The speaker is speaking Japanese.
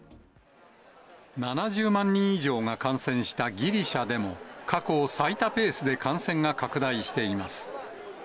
７０万人以上が感染したギリシャでも、過去最多ペースで感染が拡大しています。